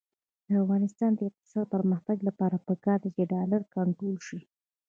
د افغانستان د اقتصادي پرمختګ لپاره پکار ده چې ډالر کنټرول شي.